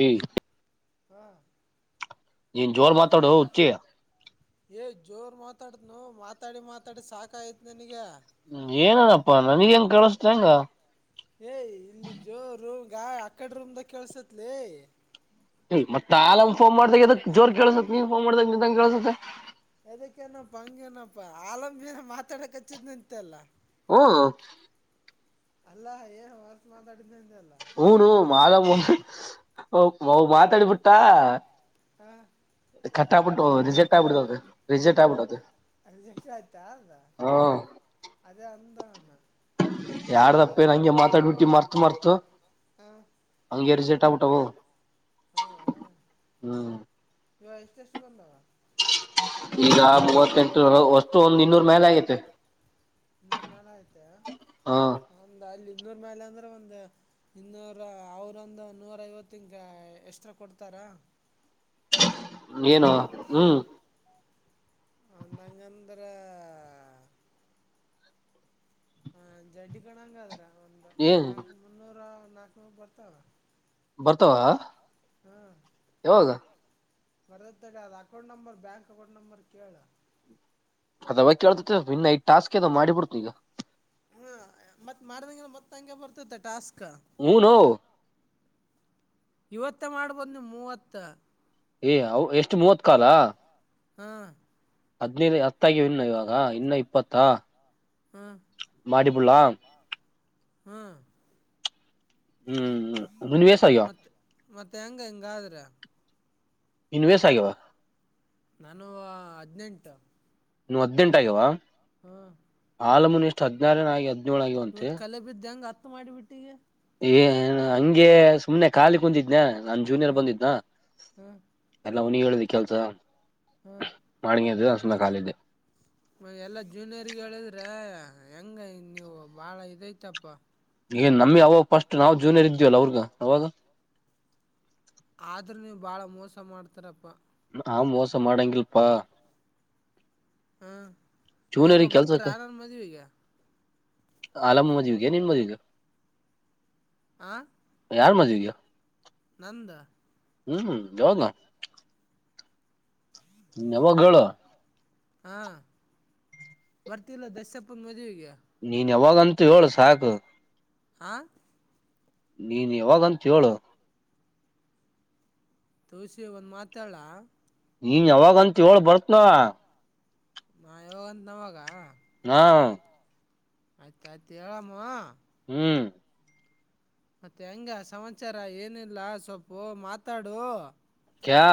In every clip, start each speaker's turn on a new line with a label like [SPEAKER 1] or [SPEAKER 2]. [SPEAKER 1] ಏ
[SPEAKER 2] [inaudible]
[SPEAKER 1] ನೀನ್ ಜೋರ್ ಮಾತಾಡು ಹುಚ್ಚಿ
[SPEAKER 2] ಏ ಜೋರ್ ಮಾತಾಡತನು ಮಾತಾಡಿ ಮಾತಾಡಿ ಸಾಕ ಆಯತ್ ನನಗ
[SPEAKER 1] ಏನನಪ್ಪ ನನಗ ಹೆಂಗ ಕೇಳಸ್ತ ಹೆಂಗ
[SPEAKER 2] ಏಯ್ ಇಲ್ಲಿ ಜೋ ರೂಮ್ ಅಕಡ ರೂಮ್ದಾಗ ಕಳ್ಸತ್ಲಿ
[SPEAKER 1] ಮತ್ತ ಅಲ್ ಫೋನ್ ಮಾಡಾಗ ಎದ ಜೋರ್ ಕೇಳಸತ್ ನೀ ಫೋನ್ ಮಾಡ್ದಾಗ ನಿಂಗ ಕೇಳಸುತ್ತೆ
[SPEAKER 2] ಅದಕ್ಕೇನಪ್ಪಾ ಹಂಗೇನಪ್ಪಾ ಆಲಂಬ ಮಾತಾಡಕ್ ಹಚ್ಚಿದ್ ನಿಂತೆ ಅಲ್ಲ
[SPEAKER 1] ಹ್ಮ್
[SPEAKER 2] [unintelligible] ಅಲ್ಲ ಮಾತಾಡಿದ್ದಂದೆ
[SPEAKER 1] [unintelligible] ವೌ ಮಾತ ಬಿಟ್ಟ
[SPEAKER 2] ಹ
[SPEAKER 1] ಕಟ್ ಆಬಿಟ್ಟು ರಿಜೆಕ್ಟ್ ಆಗ್ಬಿಡ್ತದು ರಿಜೆಕ್ಟ್ ಆಗ್ಬಿಟ್ಟದು
[SPEAKER 2] ರಿಜೆಕ್ಟ್ ಆಯ್ತಾ ಅದ
[SPEAKER 1] ಹ
[SPEAKER 2] ಅದೇ ಅಂದವನ
[SPEAKER 1] ಯಾರ್ದಪ್ಪ ಏನ ಹಂಗೆ ಮಾತಾಡ್ಬಿಟ್ಟು ಮಾರ್ತ ಮರ್ತು
[SPEAKER 2] ಹಾ
[SPEAKER 1] ಹಂಗೆ ರಿಸಲ್ಟ್ ಟಾವಟ ಹ್ಮ್
[SPEAKER 2] ಇವ ಎಷ್ಟ ಎಷ್ಟು ಬಂದ
[SPEAKER 1] ಈಗ ಮೂವತ್ತಂಟ ಅಷ್ಟು ಒಂದ್ ಇನ್ನೂರ್ ಮೇಲೆ ಆಗತೆ
[SPEAKER 2] ಇನ್ನೂರು ಮೇಲೆ ಐತೆ
[SPEAKER 1] ಹಾ
[SPEAKER 2] ಒಂದು ಅಲ್ಲಿ ಇನ್ನೂರ ಮೇಲೆ ಅಂದ್ರೆ ಒಂದು ಇನ್ನೂರ ಅವರಂದು ನೂರ ಐವತ್ತಿನಗೆ ಎಷ್ಟ್ರಾ ಕೊಡ್ತಾರಾ
[SPEAKER 1] ಏನು ಹ್ಮ್
[SPEAKER 2] ನಂಗಂದ್ರೆ ಹ ಜಡ್ಡಿ ಕಣಂಗ ಅದ್ರ ಂದ
[SPEAKER 1] ಏನ್
[SPEAKER 2] ನಕ ಮುನ್ನೂರ ನಾಕ ನೂರ ಬರ್ತವ ಅಲಾ
[SPEAKER 1] ಬರ್ತಾವ ಯಾವಾಗ
[SPEAKER 2] ಬರದ ತಡೆ ಅದ account number bank account number ಕೇಳ
[SPEAKER 1] ಅದಾವ ಕೇಳಳ್ತ ಇನ್ನ ಈದ ಟಾಸ್ಕ್ ದ ಮಾಡಿಬಿಡ್ತು ಈಗ
[SPEAKER 2] ತಂಗೆ ಬರ್ತತೆ ಟಾಸ್ಕ್
[SPEAKER 1] ಹ್ಮ್ ನೋ
[SPEAKER 2] ಇವತ್ತ ಮಾಡ್ಬೋದು್ ನೀ ಮೂವತ್ತ
[SPEAKER 1] ಏ ಅ ಎಷ್ಟು ಮೂವತ್ ಕಾಲ
[SPEAKER 2] ಹ್ಮ
[SPEAKER 1] ಹದ್ನೈದು ಹತ್ತಾಗಿ ಇನ್ನು ಇವಾಗ ಇನ್ನು ಇಪ್ಪತ್ತಾ
[SPEAKER 2] ಹಾಂ
[SPEAKER 1] ಮಾಡಡಿ ಪುಲ್ಲಾ
[SPEAKER 2] ಹ್ಮ
[SPEAKER 1] ಹ್ಮ್ ಇನ್ ವೇಸ್ ಆಗ್ಯಾವ
[SPEAKER 2] ಮತ್ತ ಮತ್ತೆ ಹೆಂಗ ಹಂಗಾದ್ರೆ
[SPEAKER 1] ಇನ್ ವೇಸ್ ಆಗ್ಯವ
[SPEAKER 2] ನಾನು ಹದಿನೆಂಟು
[SPEAKER 1] ನೀವ್ ಹದ್ೆಂಟ ಆಗ್ಯವಾ
[SPEAKER 2] ಹ್ಮ
[SPEAKER 1] ಹಲ ಮುು ಇಷ್ಟ ಹದಿನಾರನ ಆಗು
[SPEAKER 2] ಇವತ್ ಕಲೆ ಬ ಇದ್ದಂಗ ಮಾಡಿಬಿಟ್ಟು
[SPEAKER 1] ಹಂಗೆ ಸುಮ್ನೆ ಖಾಲಿ ಕುಂದಿದ್ನ ನನ್ ಜೂನಿಯರ್
[SPEAKER 2] ಹಾಂ
[SPEAKER 1] ಬಂದಿದ್ದ್ನಾ
[SPEAKER 2] ಹಾಂ
[SPEAKER 1] ಎಲ್ಲ ಅವನಿ ಹೇಳುದಿ ಕೆಲ್ಸ
[SPEAKER 2] ಹಾಂ
[SPEAKER 1] ಮಾಡಡಿಗೆದ ಕಾಲ
[SPEAKER 2] ಎಲ್ಲಾ ಜೂನಿಯರ್ಗಳಿದ್ರೆ ಹೆಂಗ ನೀವು ಬಾಳ ಇದೈತಪ್ಪ
[SPEAKER 1] ಏನ್ ನಮ್ ಅವಾಗ ಫಸ್ಟ್ ನಾವವು ಜೂನಿಯರ್ ಇದೀವಲ್ಲ ಅವ್ರಗ ಅವಾಗ
[SPEAKER 2] ಇದ್ರ ಬಾಳ ಮೋಸ ಮಾಡ್ತಾರಪ್ಪಾ
[SPEAKER 1] ಆಂ ಮೋಸ ಮಾಡಂಗಿಲ್ಪಾ
[SPEAKER 2] ಹ್ಮ್ ಹೆಂಗ ಬರ್ತಾರ ಆರನ್ ಮದ್ುವ ಈಗ
[SPEAKER 1] ಆಲಾಮ ಮಜವಿಿಗೆ ನೀನು ಮಜಗ
[SPEAKER 2] ಆ
[SPEAKER 1] ಯಾರ ಮಜೆ ಗ
[SPEAKER 2] ನಂದ
[SPEAKER 1] ಹ್ಮ್ ಯಾವದ ನ ನವ ಗಗಳು
[SPEAKER 2] ಹಾ ಬರ್ತಿಲ್ಲ ದಸಪ್ಪನ್ ಮದ್ುವೆಗೆ
[SPEAKER 1] ನೀ ಯಾವಾಗಂತೂ ಹೇಳು ಸಾಕು
[SPEAKER 2] ಆ
[SPEAKER 1] ನೀನ್ ಯಾವಾಗಂತ ಹೇಳು
[SPEAKER 2] ತೋಸಿ ಒಂದ್ ಮಾತಾಳ
[SPEAKER 1] ನೀನ್ ಯಾವಾಗಂತ ಹೇಳಳ್ ಬರ್ತ್ನಾ
[SPEAKER 2] ನಾ ಯಾವಂತ ನವಾಗ
[SPEAKER 1] ಹ್ಮ
[SPEAKER 2] ಆಯ್ತಾಯಯ್ತು ಹೇಳಮ್ಮ
[SPEAKER 1] ಹ್ಮ್
[SPEAKER 2] ಮತ್ತೆ ಹೆಂಗ ಸಮಾಚಾರ ಏನಿಲ್ಲ ಸೊಪ್ಪು ಮಾತಾಡು
[SPEAKER 1] ಕ್ಯಾ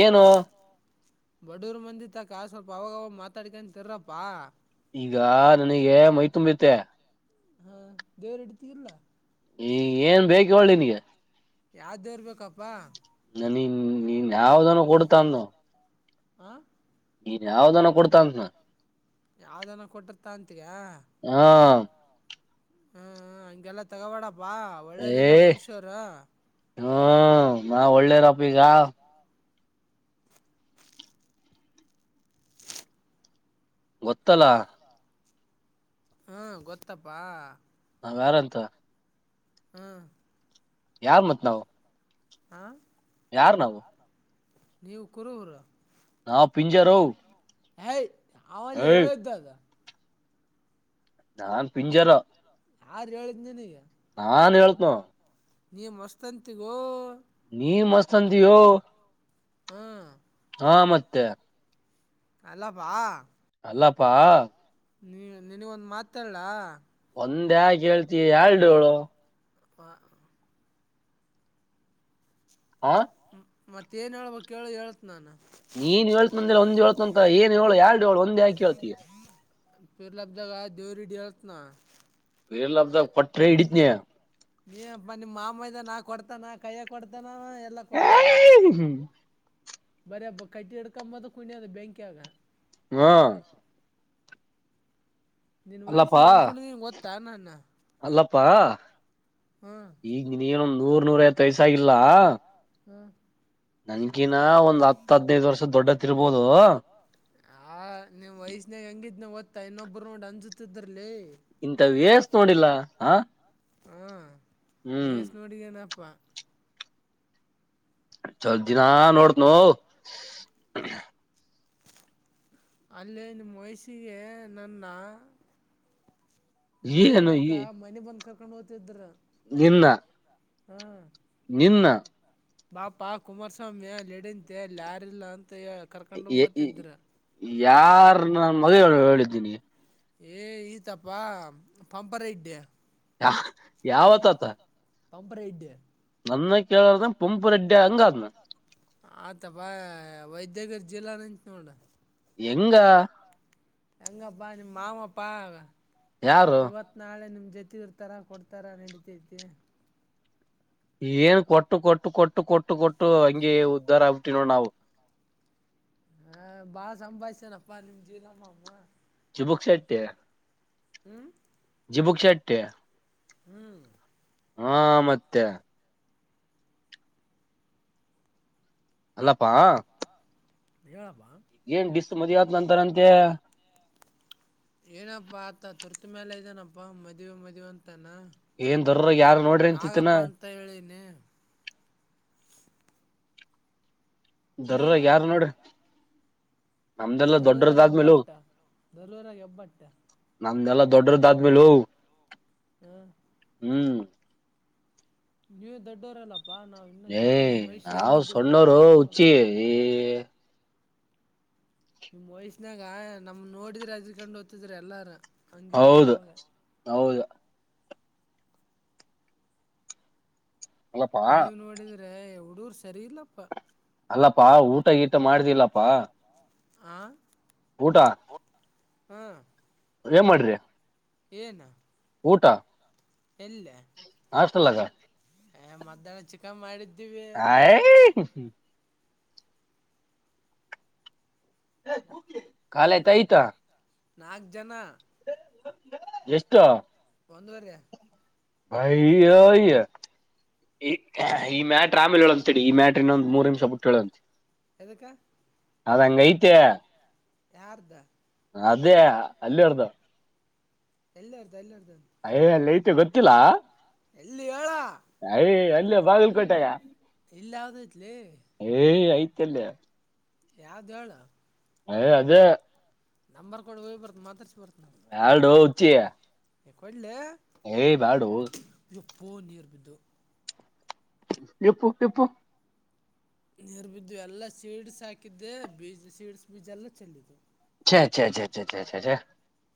[SPEAKER 1] ಏನು
[SPEAKER 2] ಬಡೂರ್ ಮಂದಿ ತ ಕ ಸ್ವಲ್ಪ ಅವಾಗವಾಗ ಮಾತಾಡ್ಕ ತಿರಪ್ಪಾ
[SPEAKER 1] ಈಗ ನನಗೆ ಮೈ ತುಂಬತ್ತೆ
[SPEAKER 2] ಹಾ ದೇವರೆಡ್ತರ್ಲ್ಲ
[SPEAKER 1] ಈ ಏನ್ ಬೇಕ ಒಳ್ಳಿಿನಗೆ
[SPEAKER 2] ಯಾವ್ದ್ದೇರ್ಬೇಕಪ್ಪಾ
[SPEAKER 1] ನ ನೀನ್ ನೀನ್ ಯಾವ್ದನ ಕೊಡತಾನ
[SPEAKER 2] ಹ
[SPEAKER 1] ನೀನ್ ಯಾವ್ದನ ಕೊಡ್ತಂತನ
[SPEAKER 2] ಯಾವ್ದನ ಕೊಟ್ಟಿರ್ತಾ ಅಂತಗ
[SPEAKER 1] ಹ
[SPEAKER 2] ಹ ಇಂಗೆಲ್ಲ ತೆಗವಾಡಪ್ಪ ವಾ ಒಳ್ಳೆಯರಿಲ್ಲ ಮನುಷ್ಯರ
[SPEAKER 1] ಹ್ಮ್ ನ ಒಳ್ಳೇ ರಪ್ಪ ಈಗ ಗೊತ್ತಲಾ
[SPEAKER 2] ಹ್ಮ ಗೊತ್ತಪ್ಪಾ
[SPEAKER 1] ನಾ ಯಾರಂತ
[SPEAKER 2] ಹ್ಮ
[SPEAKER 1] ಯಾರ ಮತ್ಲಾವ
[SPEAKER 2] ಹಾ
[SPEAKER 1] ಯಾರ ನಾವು
[SPEAKER 2] ನೀವುಕರ ಹರ
[SPEAKER 1] ನಾ ಪಿಂಜಾರೋ
[SPEAKER 2] ಹಯ್ ಅವಲ್ಲ ಹೇಳಿದ್ದದ
[SPEAKER 1] ನಾನ್ ಪಿಂಜರ
[SPEAKER 2] ಆರ ಹೇಳಿದ ನಿಂಗೆ
[SPEAKER 1] ನಾನ್ ಹೇಳ್ತೀನಿ
[SPEAKER 2] ನಿನ್ನ ಮಸ್ತಂತಿರೋ
[SPEAKER 1] ನೀ ಮಸ್ತ ಅಂದಿಯೋ
[SPEAKER 2] ಹೂ
[SPEAKER 1] ಹಾ ಮತ್ತೆ
[SPEAKER 2] ಅಲ್ಲಪಾ
[SPEAKER 1] ಅಲ್ಲಪ್ಪಾ
[SPEAKER 2] ನೀ ನಿನಗೊಂದ್ ಮಾತ ಹೇಳ್ಲ
[SPEAKER 1] ಒಂದೇ ಯಾಕ ಹೇಳ್ತಿ ಎರಡು ಹೇಳು
[SPEAKER 2] [unintelligible]
[SPEAKER 1] ಹಾ
[SPEAKER 2] ಮತ್ತೇನು ಹೇಳ್ಬ ಹೇಳು ಹೇಳ್ತೀನಿ ನಾನ
[SPEAKER 1] ನೀನ್ ಹೇಳ್ತ್ ನಂದಿಲ್ಲ ಒಂದ್ ಹೇಳ್ತಂತ ಏನ್ ಹೇಳು ಎಲ್ಡ್ ಹೇಳು ಒಂದ್ ಯಾಕೆ ಹೇಳ್ತೀಯ
[SPEAKER 2] [unintelligible]
[SPEAKER 1] [unintelligible]
[SPEAKER 2] ನೀ ಆಪ್ಪ ನಿಮ್ಮ್ ಮಾಮೈದ ನಾ ಕೊಡ್ತಾನಾ ಕೈಯಾಗ ಕೊಡ್ತಾನ ಎಲ್ಲ ಕೊಡ್ತಾನ ಬರೇ ಹಬಕ್ ಕೈಟಿ ಹಿಡ್ಕೊಂಡು ಕುನಿಯಅದ ಬೆಂಕಿಯಾಗ್
[SPEAKER 1] ಹೂ
[SPEAKER 2] ನಿನ್
[SPEAKER 1] ಅಲ್ಲಪ್ಪಾ
[SPEAKER 2] ವಯಸ್ಸಿಗೆ ಹೆಂಗ್ ಕುಣಿದಿದೀನಿ ಗೊತ್ತ ಅ ನಾನ್
[SPEAKER 1] ಪ್ಪಾ - ಈಗ ನಿನ್ನಗ ಏನ್ ನೂರ್ ನೂರ ಐವತ್ತು ವಯಸ್ಸಾಗಿಲ್ಲ
[SPEAKER 2] [unintelligible]
[SPEAKER 1] ನನಗೇನ್ ನಾ ಒಂದ್ ಹತ್ಹದಿನೈದು ವರ್ಷ ದೊಡ್ಡಾತ ಇರ್ಬೋದ [unintelligible]
[SPEAKER 2] ಹಾ ನಿಮ್ ವಯಸ್ನಾಗ ಹೆಂಗಿದ್ನಿ ಗೊತ್ತ ತ್ತ ಇನ್ನೊಬ್ರ ನೋಡಿ ಅಂಜತಿದರ್ಲೇ
[SPEAKER 1] ಇಂತವ ಎಸ್ ನೋಡಿಲ್ಲ ಹ
[SPEAKER 2] ಹಾಂ
[SPEAKER 1] ಹೂ
[SPEAKER 2] ಏಸ್ ನೋಡಿಗೇನಪ್ಪ
[SPEAKER 1] ಚಲ್ ದಿನಾ ನೋಡ್ತನೋ
[SPEAKER 2] ಅಲ್ಲಿ ನಿಮ್ಮ ವಯಸ್ಸಿಗೆ ನನ್ನ ದೇವ್
[SPEAKER 1] ಏನು
[SPEAKER 2] ಹಿಡಿಯೋಕೆ ಮನಿಗ್ ಬಂದ್ ಹೋಗ್ತಿದ್ರ
[SPEAKER 1] ನಿನ್ನ
[SPEAKER 2] ಹಾ
[SPEAKER 1] ನಿನ್ನ
[SPEAKER 2] ಬಾಪಾ ಕುಮಾರಸ್ವಾಮಿ ಅಲ್ಲಿಡಂತೀ ಅಲ್ಯಾರಿಲ್ಲ ಅಂತ ಕರ್ಕೊಂಡು ಓತಿದ್ರ
[SPEAKER 1] ಯಾರ್ ನಾನ ಮಗ ಹೇಳಿದ್ ನಿಂಗೆ
[SPEAKER 2] ಏ ಈತಪ್ಪ ಪಂಪರ ಇಡ್ಡ್ಯಾ
[SPEAKER 1] ಯ ಯಾವತ್ತಾತ
[SPEAKER 2] ಪಂಪ ರೈಡ್
[SPEAKER 1] ನನ್ನ ಕೇಳಾರ್ದ ಪಂಪು ರೆಡ್ಡಿ ಹೆಂಗ ಆದ್ನ
[SPEAKER 2] ಆತ ಬಾ ವೈದ್ಯಗರಿ ಜಿಲ್ಲಾ ನಿಂತ್ನೋಡ
[SPEAKER 1] ಎಂಗ
[SPEAKER 2] ಹೆಂಗಪ್ಪ ನಿ ಮಾವಪ್ಪಾ
[SPEAKER 1] ಯಾರು
[SPEAKER 2] ಇವತ್ ನಾಳೆ ನಿಮ್ದ ಜೊತೆ ಇರ್ತಾರ ಕೊಡ್ತಾರ ನಡೀತೈತಿ
[SPEAKER 1] ಏನ್ ಕೊಟ್ಟು ಕೊಟ್ಟು ಕೊಟ್ಟು ಕೊಟ್ಟು ಕೊಟ್ಟು ಹಂಗೆ ಉದ್ಧಾರ ಆಗ್ಬಿಟ್ಟಿವಿ ನೋಡ್ ನಾವು
[SPEAKER 2] ಹಾ ಬಾಳ ಸಂಭಾಯ್ಸೇನಪ್ಪಾ ನಿಮ್ ಜೀಲಮಾಮ
[SPEAKER 1] ಚುಬುಕ್ ಶೆಟ್ಟೀ
[SPEAKER 2] ಊಂ
[SPEAKER 1] ಬುಕ್ ಶಟ್ಟೀ
[SPEAKER 2] ಹ್ಮ್
[SPEAKER 1] ಹಾ ಮತ್ತೆ ಅಲ್ಲಪ್ಪಾ
[SPEAKER 2] ಹೇಳಪ್ಪ
[SPEAKER 1] ಏನ್ ಡಿಸ್ ಮದ್ವೀ ಆಗ್ತಾನಂತೆ
[SPEAKER 2] ಏನಪ್ಪಾ ಆತ ತುರ್ತ ಮೇಲ ಇದನಪ್ಪಾ ಮದುವೆ ಮದುವೆ ಅಂ ತನಾ
[SPEAKER 1] ಏನ್ ದರ್ರಾಗ ಯಾರು ನೋಡ್ರಿ ಅಂತಿತ್ತನ
[SPEAKER 2] ಆಗಪ್ಪಾ ಅಂತ ಹೇಳಿನಿ
[SPEAKER 1] ದರ್ರ ಯಾರ ನೋಡ್ರಿ ನಮ್ದೆಲ್ಲಾ
[SPEAKER 2] ದರೂರಾಗ
[SPEAKER 1] ದೊಡ್ಡದಾದ್ಮೇಲೆ
[SPEAKER 2] ಹೆಬ್ಬಟ್ಟ ದರೂರಾಗ ಹೆಬ್ಬಟ್ಟ
[SPEAKER 1] ನಮ್ೆಲ್ಲ ದೊಡ್ಡದಾದ [unintelligible]
[SPEAKER 2] ಹ್ಮ
[SPEAKER 1] ಹ್ಮ್
[SPEAKER 2] ನೀವ್ ದೊಡ್ಡೋರೆಲ್ಲ ಬಾ ನಾವ್ ಇನ್ನೊಂದು
[SPEAKER 1] ಏ
[SPEAKER 2] ಚುಕ್ಕ ನಿಮ್ಮ ಮಹಷಿ
[SPEAKER 1] ನಾವ್
[SPEAKER 2] ಹೆಂಗಿದ್ದು ಗೊತ್ತ
[SPEAKER 1] ಸಣ್ಣೋರು
[SPEAKER 2] ನ ಹಾಗ
[SPEAKER 1] ಹುಚ್ಚಿ ಏ
[SPEAKER 2] ನಿಮ್ ವಯ್ಸಿನಾಗ ನಮಮ್ಮ ನೋಡಿದ್ರೆ ಎದರ್ಕೊಂಡ್ ಹೋಗ್ದ್ತಿದ್ರ ಎಲ್ಲಾರ ಹಂಗಿದ್ದೆ
[SPEAKER 1] ಹೌದು
[SPEAKER 2] ಅವಾಗ
[SPEAKER 1] ಹೌದು ಅಲ್ಲಪ್ಪಾ
[SPEAKER 2] ನೀವು್ ನೋಡಿದ್ರ ಉಡೂಗ್ರು ಸರಿ ಇಲ್ಲಪ್ಪ
[SPEAKER 1] ಅಲ್ಲಪ್ಪಾ ಊಟ ಗೀಟ ಮಾಡ್ತಿಿಲ್ಲಪ್ಪಾ
[SPEAKER 2] ಆ
[SPEAKER 1] ಊಟ ಏನ್ ಮಾಡ್ರಿ
[SPEAKER 2] ಏನ್
[SPEAKER 1] ಊಟ
[SPEAKER 2] ಇಲ್ಲ
[SPEAKER 1] ಹಾಸ್ಟೆಲ್ನಾಗ
[SPEAKER 2] ಮಧ್ಯಾಹ್ನ ಚಿಕನ್ ಮಾಡಿದ್ದ, -
[SPEAKER 1] ಹಾಯ [unintelligible] ಹ್ಮ್, ಕಾಲಯತ ಐತ. -
[SPEAKER 2] ನಾಲ್ಕು ಜನ,. -
[SPEAKER 1] ಎಷ್ಟು?.
[SPEAKER 2] ಒಂದು [unintelligible] ವರಯ
[SPEAKER 1] ಭಯ್ಯ, ಅಯ್ಯ ಈ ಈ ಮ್ಯಾಟ್ರಿ ಆಮೇಲೆ ಹೇಳಂತಡಿ. ಈ ಮ್ಯಾಟ್ರ ಇನ್ನೊಂದ್ ಮೂರ್ ನಿಮಿಷ ಬಿುಟ್ಟು ಹೇಳಂತ...
[SPEAKER 2] ಎದಕ್ಕ [inaudible]
[SPEAKER 1] ಅದಂಗ ಐತೆ, -
[SPEAKER 2] ಯಾರದಾ,
[SPEAKER 1] ಅದೇ ಅಲ್ಲಿ ಎರ್ದಾ [unintelligible]
[SPEAKER 2] ಎಲ್ಲ ಅರ್್ದು ಎಲ್ಲ ಇರ್ತದೆ [unintelligible]
[SPEAKER 1] ಹಯ ಅಲ್ಲ ಐತೆ ಗೊತ್ತ.
[SPEAKER 2] ಎಲ್ಲಿ ಹೇಳ
[SPEAKER 1] - ಅ [inaudible] ಇಲ್ಲ ಬಾಗಿಲ್ಕೋಟೆಗ. -
[SPEAKER 2] ಇಲ್ಲಾದೆ [inaudible]
[SPEAKER 1] ಏ ಆಯ್ತ [unintelligible] ಲ್ಲಯ [inaudible]
[SPEAKER 2] ಯಾವ್ದ ಹೇಳ., -
[SPEAKER 1] ಅಯ [unintelligible] ಅದೇ
[SPEAKER 2] ನಂಬರ್ ಕಡ್ ಹೋಗ್ಬರ್ತ್ ನಿಮಾತಾಡ್ಸ ಬರ್ತದೆ. -
[SPEAKER 1] ಎಲ್ಡು ಹೋ ಹಚ್ಚಿ [unintelligible]
[SPEAKER 2] ಎ [inaudible]
[SPEAKER 1] ಏ ಮಾಡಾಡುು [unintelligible]
[SPEAKER 2] ಫೋನ್ ಇರ್ಬಿದ್ದು [unintelligible]
[SPEAKER 1] ಎಪ್ಪು ಎಪ್ಪು [inaudible]
[SPEAKER 2] ನೀರ್ ಬಿದ್ದು ಎಲ್ಲ ಸೀಡ್ಸ್ ಹಾಕಿದ್ದೆ. ಬೀಜ ಸೀಡ್ಸ್ ಬೀಜ ಎಲ್ಲ ಚೆಂದಿದವು-
[SPEAKER 1] ಹ [inaudible]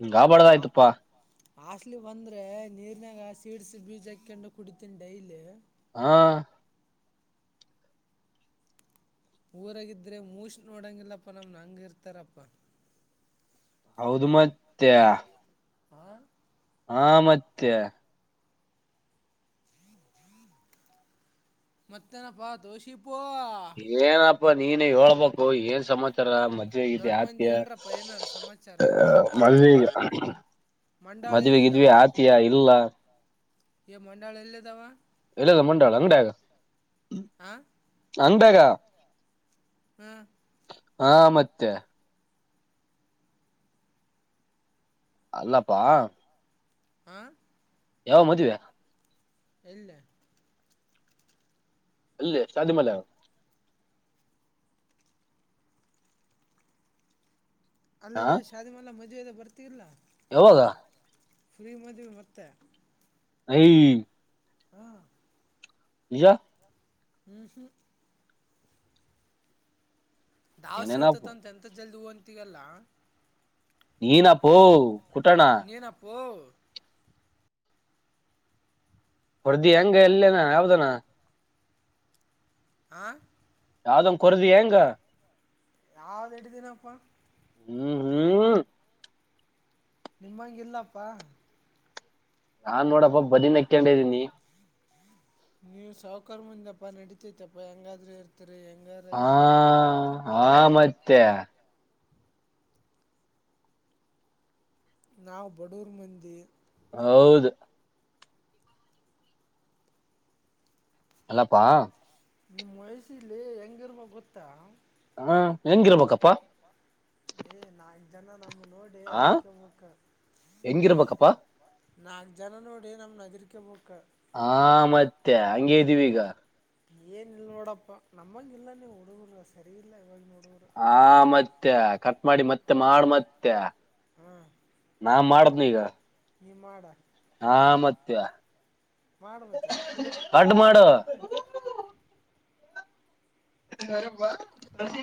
[SPEAKER 1] ಹಿಂಗಾಬಾರದಹಾಗಿಆಯ್ತಪ್ಪಾ. -
[SPEAKER 2] ಹಸ್ಲಿ ಬಂದ್ರೆ ನೀರ್ನಾಗ ಸೀಡ್ಸ್ ಬೀಜ ಹಾಕೊಂಡು ಕುಡಿತೀನಿ ಡೈಲಿ,. -
[SPEAKER 1] ಹಾ,
[SPEAKER 2] ಊರಾಗಿದ್ರೆ ಮೂಷ ನೋಡಂಗಿಲ್ಲಪ್ಪಾ ನಮ್ ಹಂಗ ಇರ್ತಾರಪ್ಪಾ.
[SPEAKER 1] ಹೌದು ಮತ್ತೆ....
[SPEAKER 2] ಹಾ [inaudible]
[SPEAKER 1] ಹಾ, [unintelligible] ಮತ್ತೆ
[SPEAKER 2] ಮತ್ತೇನಪ್ಪಾ ದೋಶಿ [unintelligible]
[SPEAKER 1] ಇ ನೀನ್ ಹೇಳ್ಬೇಕು ಏನ್ ಸಮಾರ‌. - ರ ಮದ್ವೆೆಗವಿ
[SPEAKER 2] ದೊಡ್ಡ ಮಂದಿ
[SPEAKER 1] ಆತ
[SPEAKER 2] ಹೇಳ್ರಪ್ಪ ಏನಾರ ಸಮಾಚಾರ
[SPEAKER 1] ಮದ
[SPEAKER 2] ಮಂಡಾಳ ಎಲ್ಲಿದಾವ
[SPEAKER 1] ಮದ್ವೆಗಿದ್ವಿ ಆತಿಯ ಇಲ್ಲ. -
[SPEAKER 2] ಮಂಡಾಳ ಎಲ್ಲದಾವ... -
[SPEAKER 1] ಇಲ್ಲದ ಮಂಡಾಳ ಅಂಗಡಿಗ. -
[SPEAKER 2] ಆ [inaudible]
[SPEAKER 1] ಅಂದಾಗ
[SPEAKER 2] ಹ್ಮ್
[SPEAKER 1] ಹಾ ಮತ್ತೆ ಅಲ್ಲಪ್ಪಾ
[SPEAKER 2] ಹಾ
[SPEAKER 1] ಯಾವ ಮದುವೆ
[SPEAKER 2] ಎಎಲ್ಲೆ
[SPEAKER 1] ಅಲ್ಲೇ ಶಾದಿಮಲ ಹಾ
[SPEAKER 2] ಅಲ್ಲದೆ ಶಾದಿಮಲ ಮದ್ವೆ ಇದೆಲ ಬರ್ತಿರಲ
[SPEAKER 1] ಯಾವಾಗ
[SPEAKER 2] ಫ್ರೀ ಮದ್ವಿ ಮತ್ತೆ
[SPEAKER 1] ಐ
[SPEAKER 2] ಹಾ
[SPEAKER 1] ಈಯಾ
[SPEAKER 2] ಹ್ಮ ಹ್ಮ ದಾವ್
[SPEAKER 1] ಏನೇನಪ್ಪ
[SPEAKER 2] ಸಿಗುತ್ತತ್ತ ಅಂತ ಎಂತ ಜಲ್ದಿ ಹೋನಿ ತಿಗಲ್ಲ
[SPEAKER 1] ನೀನಾಪೋ ಕುಟಣ
[SPEAKER 2] ನೀನಪ್ಪೋ
[SPEAKER 1] ಹೊರದಿ ಹೆಂಗ ಎಲ್ಲೇನಾ ಯಾವ್ದನಾ
[SPEAKER 2] ಆ
[SPEAKER 1] ಯಾವದ್ ಕೊರದಿ ಹ್ಯಾಂಗ
[SPEAKER 2] ಯಾವ್ದ್ ಹಿಡಿದೀನಪ್ಪಾ
[SPEAKER 1] ಹ್ಮ್ ಹ್ಮ್
[SPEAKER 2] ನಿಮ್ಮಂಗ ಇಲ್ಲಪ್ಪಾ
[SPEAKER 1] ನಾನ್ ನೋಡಪ್ಪ ಬದಿನೆಕ್ಕೆಂಡಿದೀನಿ
[SPEAKER 2] ನೀವು ಸಾವಕರ್ ಮಂಧ್ಯಪ್ಪ ನಡಿತೈತಪ್ಪ ಹೆಂಗಾದ್ರೂ ಇರ ತೀರಿ ಹೆಂಗಾರ
[SPEAKER 1] ಹಾ
[SPEAKER 2] ಇಲ್ಲ
[SPEAKER 1] ಹಾ ಮತ್ತೆ
[SPEAKER 2] ನಾವು ಬಡೂರ್ ಮಂದಿ
[SPEAKER 1] ಹೌದ ಎಲ್ಲಪ್ಪಾ
[SPEAKER 2] ನಿಮ್ಮ್ ವಯಸ್ಸಲ್ಲಿ ಹೆಂಗಿರ್ಬೆಕ್ ಗೊತ್ತಾ
[SPEAKER 1] ಅಣ ಹೆಂಗಿರ್ಬೇಕಪ್ಪಾ
[SPEAKER 2] ಏ ನಾಲ್ಕು ಜನ ನಮ್ಮನ ನೋಡಿ
[SPEAKER 1] ಆ
[SPEAKER 2] ಹೆದರ್ಕಬೇಕ್
[SPEAKER 1] ಹೆಂಗಿರ್ಬೇಕಪ್ಪಾ
[SPEAKER 2] ನಾಲ್ಕು ಜನ ನೋಡಿ ನಮ್ಮ ನಗರಿಕ್ಕೆ ಬಕ್
[SPEAKER 1] ಹಾ ಮತ್ತೆ ಹಂಗೆ ಇದ್ದೀವಿ ಈಗ
[SPEAKER 2] ಏನ್ ಇಲ್ ನೋಡಪ್ಪಾ ನಮ್ಮಂಗ ಇಲ್ಲ ನೀವು ಹುಡುಗುರ ಸರಿ ಇಲ್ಲ ಇವಾಗ ನೋಡ
[SPEAKER 1] ಹಾ ಮತ್ತೆ ಕಟ್ ಮಾಡಿ ಮತ್ತೆ ಮಾಡ ಮತ್ತೆ ನಾ ಮಾಡ್ದ್ನ ಈಗ
[SPEAKER 2] ನಿ ಮಾಡ
[SPEAKER 1] ಹಾ ಮತ್ತ
[SPEAKER 2] ಮಾಡ ಮತ್ತೆ
[SPEAKER 1] ಪಡ್ ಮಾಡು ಅ ಬ [unintelligible]